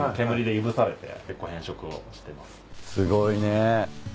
すごいね。